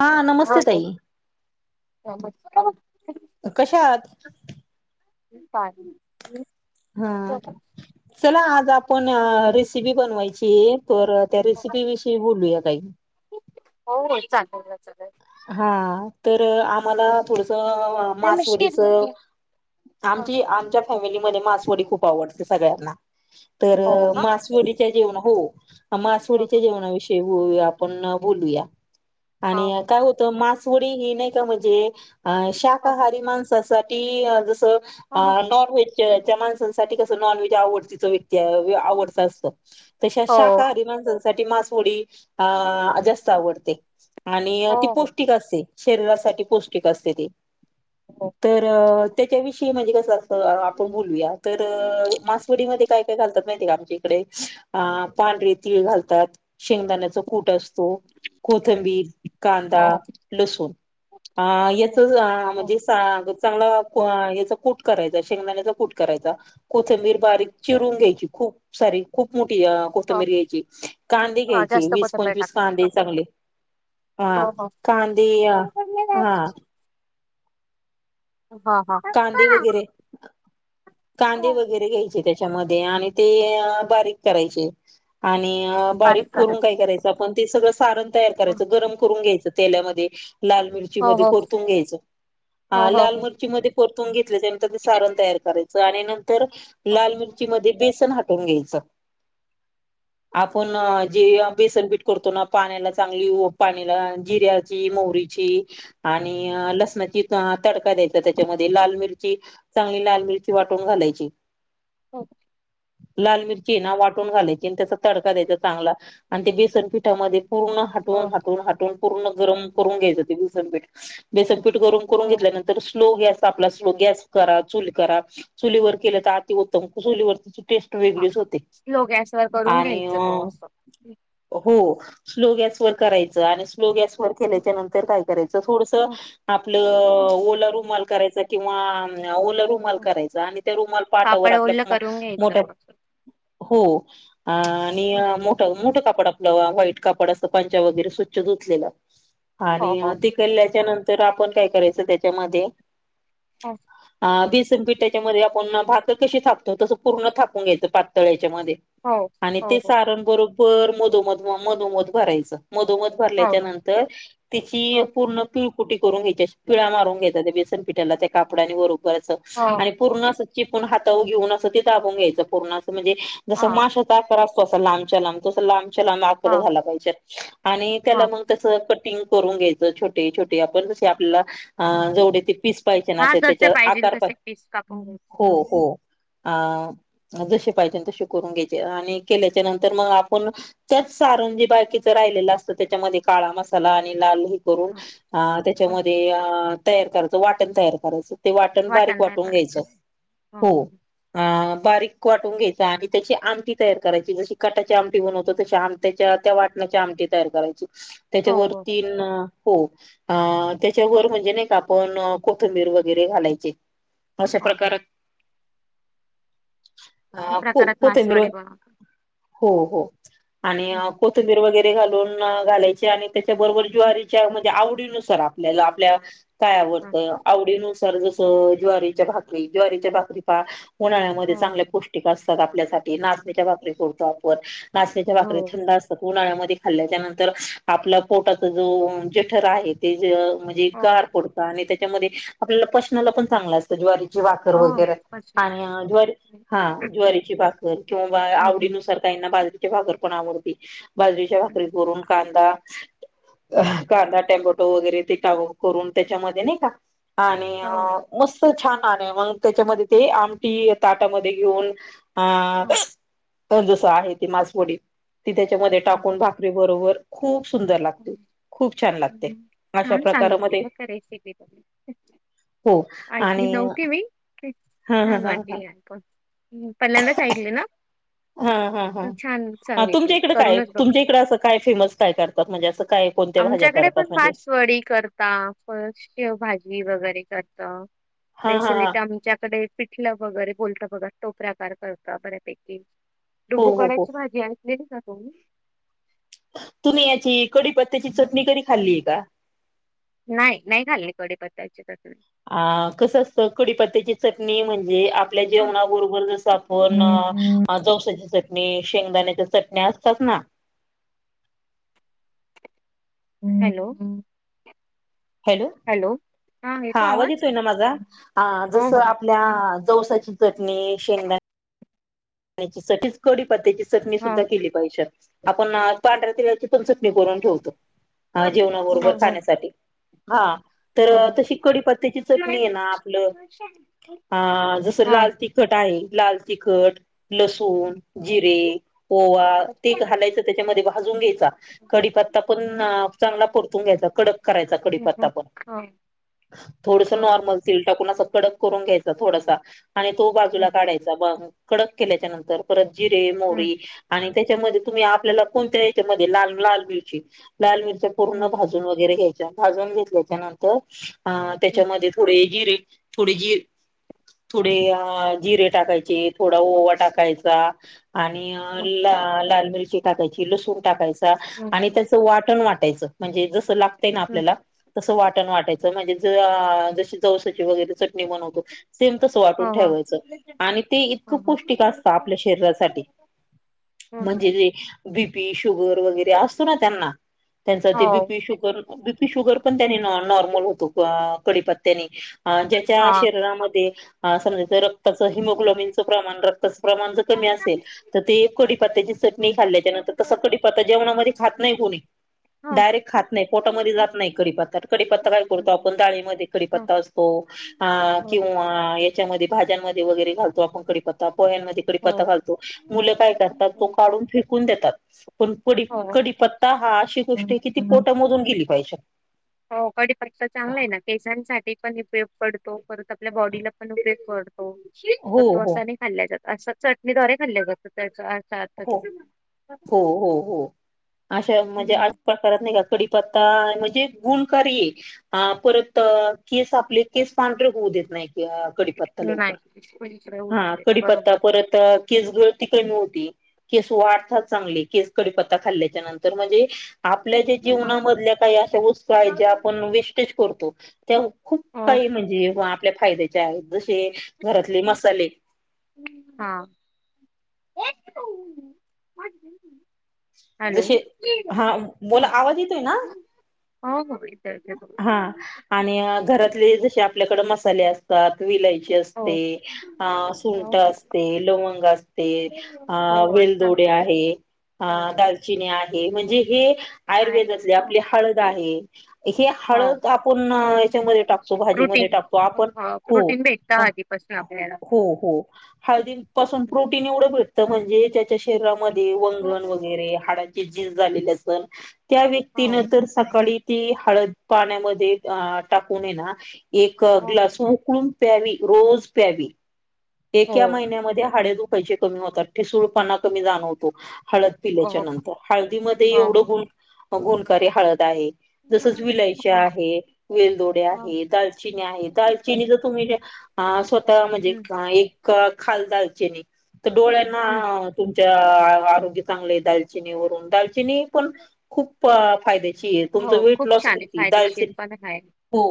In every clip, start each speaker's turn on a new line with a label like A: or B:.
A: हा नमस्ते ताई
B: हा ह. [unintelligible]
A: कश्या आहात.
B: का [unintelligible]
A: हा
B: हो
A: चला आज आपण रेसिपी बनवायचीये. तर त्या रेसिपी विषयी बोलूया काही.
B: हो हो चालेल चालेल.
A: हा तर आम्हाला पुढ त मासवडीच
B: हा
A: आमची आमच्या फॅमिलीमध्ये मासवडी खूप आवडते सगळ्यांना. तर
B: हो हो
A: मासवडीच्या जेवनां हो
B: हो
A: मासवडीच्या
B: हो
A: जेवणाविषय ते वू आपण बोलूया आणि काय त मासवडी ही नाही का म्हणजे, शाकाहारी माणसासाठी जसं
B: हो
A: आ नॉनव्हेज चे याच्या माणसांसाठी कस नॉनव्हेज आवडतीच व्यक्ती, आवडत असत. तश्या शाकाहारी माणसाांसाठी मासवडी आ जास्त आवडते आणि
B: हो
A: पौष्टिक असते शरीरासाठी पौष्टिक असते ते तर च्या विषयी म्हणजे कस अस आपण बोलूया, त मासवडीमध्ये काय, काय, घालतात माहिती का आमच्या इकडे अ पांढर तीळ घालतात शेंगदाण्यात कूट असतो कोथंबीर
B: हो
A: कांदा लसूण आ याच
B: हो
A: म्हणजे सा चांगला याच कूट करायच शेंगदाण्याचा कूट करायचा कोथंबीर बारीक चिरून घ्यायची, खूप सारी खूप मोठी आ
B: ह
A: कोथंबीर घ्यायची, कांदे
B: हा
A: घ्यायची
B: जास्त
A: वीस
B: कोथंबीर
A: पंचवीस
B: टाकायची
A: कांदे चांगले
B: हो
A: हा
B: हो
A: कांदे या हा
B: हा हा!
A: कांदे वगैरे, कांदे वगैरे घ्यायचे त्या च्या मधे आणि ते अ बारीक करायचे, आणि बारीक करून काय करायच? आपण ते सगळं सारण तयार करायचं, गरम करून घ्यायचं तेल्यामध्ये लाल मिर मिरची
B: हो
A: मध्ये
B: हो
A: परतून घ्यायचं,
B: हो
A: हा
B: हो
A: लाल
B: हो
A: मरची मध्ये परतून घेतल्याच्या नंतर ते सारण तयार करायचं आणि नंतर लाल
B: हो
A: मिर ची मध्ये बेसन हाटून घ्यायच आपण आ जे बेसनपीठ करतो ना पाण्याला चांगली ऊ पानीला जिऱ्या मिरची मोहरीची, आणि अ लसणाची तडका द्यायचा त्या त्याच्या मध्ये लाल मिरची, चांगली लाल मिरची वाटून घालायची
B: [inaudible]
A: लाल मिरची ना वाटून घालायची, आणि त्याचा तडका द्यायचा चांगला आणि ते बेसनपिठामध्ये पूर्ण
B: हो
A: हटवून, हटून, हटून पूर्ण गरम करून घ्यायचं ते बेसनपीठ बेसनपीठ गरम करून
B: हो
A: घेतल्या नंतर स्लो गॅस आपला, स्लो गॅस करा, चूल करा चुलीवर केलं त अति उत्तम चुलीवरची टेस्ट वेगळीच होते
B: स्लो गॅसवर करून
A: आणि
B: घ्यायचं तो
A: हो स्लो गॅस वर
B: असं
A: करायचं, आणि स्लो गॅसवर केल्याच्या नंतर काय करायचं थोडस आपलं
B: अच्छा.
A: ओला रूमाल करायचा, किंवा ओल रू माल करायचा आणि त्या रुमाल पाटावर
B: कापड
A: आपल्या
B: ओलं
A: मं
B: करून घ्यायचं
A: मोठ्या
B: बघ.
A: हो अ आणि
B: हो
A: मोठ, मोठ कापड आप ल व्हाईट कापड अस पंचा वगैरे स्वच्छ धुतलेल आणि
B: हो
A: ते ल्ल्याच्या नंतर आपण काय करायचं त्याच्यामध्ये
B: [unintelligible]
A: अ बिसन पिठाच्या मध्ये आपण भाकर कशी थापतो तसं पूर्ण थापून घ्यायचं पातळ याच्या मध्ये आणि ते
B: हो हो हो
A: सारण बरोबर मधोमध, मधोमध भरायच मधोमध
B: हो
A: भरल्याच्या
B: हो
A: नंतर तिची पूर्ण पिळकुटी करून घ्यायची अशी पिळा मारून घ्यायचा त्या बेसन पीठाला त्या कापडाने वरू करायचं.
B: हा.
A: पूर्ण असं चीपुण हातावर घेऊन असं ते दाबून घ्यायचं पूर्ण अस म्हणजे जस
B: हा
A: माश कार असतो अस लांबच्या लांब त लांबच्या लांब आकार
B: हा
A: झाला पाहिजे आणि त्याला
B: हा
A: मग तस कटिंग करून घ्यायचं छोटे-छोटे आपण जसे आपल्याला जवढे त [unintelligible]
B: हा
A: त्याच
B: जसे पाहिजे
A: आकार
B: तसे पीस कापून घ्यायचे
A: हो हो अ जसे पाहिजे तसे करून घ्यायचे आणि केल्याच्या नंतर मग आपण त्याच सारण जी बाकीच राहिलेलं असतं त्याच्यामध्ये काळा मसाला आणि लाल करून
B: हा,
A: अ
B: हा.
A: त्याच्यामध्ये तयार करायचं वाटण तयार करायचं. ते वाटण बारीक
B: काय
A: वाटून
B: करायचं
A: घ्यायचं, हो. अ बारीक वाटून घ्यायचा आणि त्याची आमटी तयार करायची जशी कटाची आमटी बनवतो तशी आम त्याच्या त्या वाटणाच्या आमटी तयार करायची.
B: हो
A: त्याच्यावर
B: हो
A: तीन हो, त्याच्यावर म्हणजे नाही का पण कोथिंबीर वगैरे घालायचे अशा
B: हो हो.
A: प्रकार
B: अशा
A: अ को
B: प्रकारात
A: कोथंबीर
B: मासवडी बनवतो.
A: हो हो, आणि
B: हो
A: कोथिंबीर वगैरे घालून घालायचे आणि त्याच्याबरोबर ज्वारीच्या म्हणजे आवडीनुसार आपल्याला आपल्या काय आवडतं आवडीनुसार जस ज्वारीच्या भाकरी ज्वारीच्या भाकरी पा उन्हाळ्यामध्ये चांगल्या पोष्टी पौष्टिक असतात आपल्यासाठी नाचणीच्या भाकरी करतो आपण नाचणीच्या
B: हो
A: भाकरी थंड अस उन्हाळ्यामध्ये खाल्ल्याच्यानंतर आपल्या पोटाचा जो जठार आहे ते जे म्हण
B: हो हो
A: गार पडत आणि त्याच्यामध्ये आपल्याला पचनाला पण चांगलं असतं ज्वारीची भाकर
B: हो
A: वगैरे.
B: कशी हो
A: आणि ज्वारी हा ज्वारीची भाकर किंवा आवडीनुसार ताईंना बाजरीची भाकर पण आवडती बाजरीच्या भाकरी करून कांदा अ कांदा, टेम्बोटो वगैरे ते टाकून करून त्याच्यामध्ये नाही का आणि
B: हो
A: मस्त छान आण आहे मग त्याच्यामध्ये ते आमटी ताटामध्ये घेऊन
B: हो.
A: हा जस आहे ती मासवडीत ती त्याच्यामध्ये टाकून भाकरी बरोबर खूप सुंदर लागते खूप छान लागते अशा
B: छान सांगितली
A: प्रकारामध्ये
B: [unintelligible]
A: हो
B: ऐकली
A: आणि
B: नव्हती मी
A: हा हा
B: छान
A: हा हा
B: वाटली ऐकण. पहिल्यांदाच ऐकले ना?
A: हा हा
B: तर छान
A: हा
B: सांगितली
A: तुमच्या इकडे काय
B: करूनच बघू.
A: तुमच्या इकडे असं काय फेमस काय करतात म्हणजे असं काय कोणत्या भाज्या
B: आमच्याकडे
A: करतात
B: पण
A: म्हणजे
B: बासवडी करता फ भाजी वगैरे करत.
A: हा हा
B: स्पेशली
A: हा
B: ते आमच्याकडे पिठलं वगैरे बोलतं बघा तो प्रकार करत बऱ्यापैकी.
A: हो
B: डुबू
A: हो हो
B: कुणाची भाजी ऐकलेली का तुम्ही.
A: तुम्ही याची कडीपत्त्याची चटणी कधी खाल्लीय का?
B: नाही नाही खाल्ली कडी पत्ता्याची च
A: अ कसं असतं कडीपत्त्याची चटणी म्हणजे आपल्या जेवणाबरोबर जस आपण
B: हं,
A: चौसा मी शेंगदाण्याच्या चटण्या असतात ना.
B: हॅलो.
A: हॅलो, हा आवाज येतोय ना माझा? अ जस
B: हो हो
A: [unintelligible] जवसाची चटणी शेंग त्यासाठीच कढीपत्त्याची चटणी
B: हा
A: सुद्धा केली पाहिजेत. आपण पांढऱ्या तिळाची चटणी करून ठेवतो जेवणा
B: हो
A: बरोबर
B: हो हो.
A: खाण्यासाठी. हा. तर
B: हो.
A: तशी कडीपत्त्याची
B: हा.
A: चटणी आहे ना आपलं अ जसं लाल तीख तिखट आहे लाल तिखट
B: हम्म.
A: लसूण, जिरे, ओवा ते घालायचं त्याच्यामध्ये भाजून घ्यायचा. कडीपत्ता पण चांगला परतून घ्यायचा कडक करायचा कडीपत्ता
B: हो
A: पण. थोडसं
B: बरोबर.
A: नॉर्मल. टाकून अस कडक करून घ्यायचा थोडासा आणि तो बाजूला
B: हम्म.
A: काढायचा कडक केल्याच्या नंतर परत जिरे मोरी आणि त्याच्यामध्ये तुम्ही आपल्याला कोणत्या याच्यामध्ये लाल लाल मिरची लाल मिरच्या
B: हम्म.
A: पूर्ण
B: हम्म.
A: भाज वरे घ्याय भाून घेतल्याच्या नंतर त्याच्या थोडे जिरे थोडे जिरे थोडे जिरे टाकायचे थोडा वाट टाकायचा आणि
B: हम्म.
A: ला लाल मिरची टाकायची लसूण टाकायचा आणि
B: हम्म.
A: त्याच वाटण वाटायच म्हणजे जस लागतय ना आपल्याला
B: हम्म.
A: तसं वाटण वाटायचं म्हणजे जशी जवस वगैरे सेम तस
B: हो
A: वाटून
B: हो
A: ठेवायच आणि ते
B: हो हो
A: इतक आप शरीसाठी
B: हम्म.
A: म्हणजे पी शुगर वगैरे असतो ना त्यांना त्यांचा ते
B: हो,
A: बीपी शुगर बीपी शुगर पण त्यांनी नॉर्मल होतो कडीपत्त्यानी ज्याच्या
B: हा
A: शरीरामध्ये समजा रक्ताचं हिमोग्लोबिनचं प्रमाण रक्त क क
B: हम्म.
A: च जेवणामध्ये खात नाही पुणी
B: हो
A: डायरेक्ट खात नाही पोटामध्ये जात नाही कढीपत्ता कडीीपत्ता काय करतो
B: हम्म.
A: आपण डाळीमध्ये
B: हो
A: कडीीपत्ता असतो अ किंवा याच्यामध्ये भाज्यांमध्ये वगैरे घालतो आपण कडे प पह्यांमध्येिकडे
B: हो
A: पता घालतो मुलं काय करतात तो काढून फेकून देतात पण प कडीीपत्ता हा अशी
B: हो
A: गोष्ट आहे की ती पोटामधून गेली पाहिजे
B: होकडी फक्त चांगला आहे ना केशांसाठी पण उपयोग पडतो परत आपल्या बॉडीला पण उपयोग करतो हो तर
A: हो
B: तो
A: हो
B: असा नाही खाल्ला जात असं चटणीद््वारे खाल्ल्या जात त्या
A: हो हो हो हो अशा म्हणजे आज
B: हम्म
A: पण करत नाही का कडी पत्ता म्हणजे गुणकारी हा परत केस आपले केस पांढर होऊ देत नाही कि कडीपत्ता लवकर
B: नाही इकडे होत
A: हा
B: नाही.
A: कडीपत्ता
B: बरोबर.
A: परत केसगळ तिकड नव्हती केस वाढता चांगले केस कडीपत्ता खाल्ल्याच्या नंतर म्हणजे आपल्या ज्या
B: हम्म.
A: जीवनामधल्या काही अशा वस्तू आहेत ज्या आपण वेस्टेज करतो त्या खूप
B: हो
A: काही म्हणजे आपल्या फायद्याचे आहेत जसे घरातले मसाले
B: हा हॅलो हो
A: जसे हा बोला आवाज येतोय ना?
B: येतोय.
A: हा आणि घरातले जसे आपल्याकड मसाले आहेत सात वि लायची
B: हो
A: असते अ
B: हो
A: सुंट असते लवंग असते अ
B: हो असत ना
A: वेलदोडे आहे ह
B: हो
A: दालचिनी आहे म्हणजे हे
B: आहे.
A: आयुर्वेदातले आपली हळद आहे हे
B: हो
A: हळद आपण याच्यामध्ये टाकतो भाजीमध्ये
B: प्रोटीन
A: टाकतो आपण हो
B: प्रोटीन भेटत आधीपासून आपल्याला.
A: हो हो हळदी पासून प्रोटीन एवढं भेटतं म्हणजे त्याच्या शरीरामध्ये वंगण वगैरे हाडां ज झाले त्या व्यक्तीन
B: हो
A: तर सकाळी त हळद पाण्यामध्ये टाकून ये ना एक
B: हो
A: ग्लास उकळून प्यावी रोज प्यावी
B: हो
A: एका महिन्यामध्ये हाडेदु पै कमी होतात ठसूळ पाणा कमी जाण होतो हळद
B: हो
A: पिल्याच्या
B: हो
A: नंतर हळदीमध्ये
B: हो
A: एवढं ग गुणकारी हळद आहे जसच विलायच्या
B: हो
A: आहे वेलदोड्या
B: हो
A: आहे दालचिनी आहे दालचिनी जर तुम्ही अ स्वतः म्हणजे
B: हम्म
A: एक खालदयचे तर डोळ्यांना
B: हम्
A: तुमच्या आरोग्य चांगले दालचिनी वून दालचिनी पण खूप फायद्या तुमच
B: हो
A: वे
B: खूप छान आहे फायदेशीर पण आहे
A: हो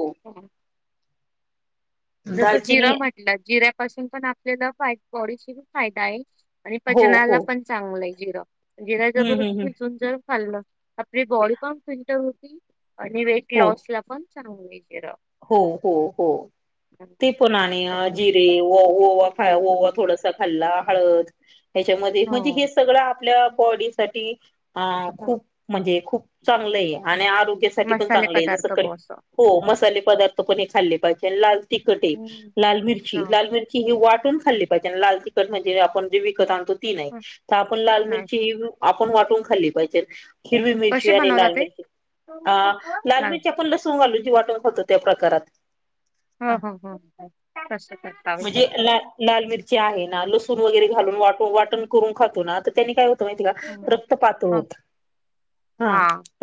B: जसं
A: दालचिनी
B: जिरं म्हटलं जिऱ्यापासून पण आपल्याला फा बॉडीशी फायदा आहे आणि
A: हो
B: पचनाला
A: हो
B: पण चांगलं आहे जिरां जिरा
A: हम्म
B: जरर
A: हम्म हम्म
B: भिजून जर खाल्लं आपली बॉडी पण फिंट होती, आणि वेट
A: हो
B: लॉस ला पण चांगलं [unintelligible]
A: हो हो हो, ते पणा आणि जी ते ओ-ओवा खाव ओवा थोडसं खाल्ला हळद हेच्यामध्ये म्हणजे
B: हो
A: सगळं आपल्या बॉडी साठी अ
B: हो
A: खूप म्हणजे खूप चांगलं आहे, आणि आरोग्यासाठी पण
B: मसाले
A: चांगलं आहे जसं
B: पदार्थ
A: क
B: बो असं
A: हो मसाले पदार्थ पण हे खाल्ले पाहिजे, लाल तिखट आहे
B: हं.
A: लाल मिर्ची लाल मिर ही वाटून खाल्ली पाहिजे, लाल तिखट म्हणजे आपण जे विकत आणतो ती नाही तर, आपण लाल
B: नाही
A: मिरची आपण वाटून खाल्ली पाहिजे. हिरवी मिरची
B: कशी
A: आणि
B: बनवता
A: लाल
B: ते
A: मिरची अ लाल
B: चालेल.
A: मिरची आपण लस [unintelligible] वाटून खातो त्या प्रकारात.
B: हा हा हा, कस करता होय
A: म्हणजे ला
B: [unintelligible]
A: लाल मिरची आहे ना, लसूण वगैरे घालून वाट वाटण करून खातो ना तर त्यांनी काय होत माहिती आहे
B: हो
A: का,
B: हो
A: रक्त पातळ
B: हो.
A: होतं. हा,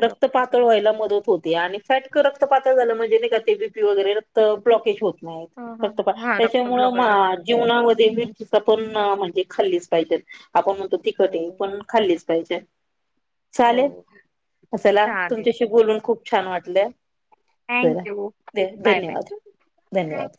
A: रक्त पातळ व्हायला मदत होते आणि फॅटच रक्त पातळ झालं म्हणजे नाही का, ते बीपी वगैरे रक्त ब्लॉकेज होत.
B: हो हो
A: नाहीत [unintelligible]
B: हा रक्त
A: त्याच्यामुळे मा
B: ब्लॉकेज असणार
A: जेव ना मध्ये मिर्चीचं पण म्हणजे खाल्लीच पाहिजेत, आपण म्हणतो
B: हो
A: तिखट ये पण खाल्लीच पाहिजे. चालेल
B: हो
A: अ चला,
B: चालेल
A: तुमच्याशी बोलून खूप छान वाटले चला.
B: थँक्यू बाय बाय
A: ध-धन्यवाद धन्यवाद!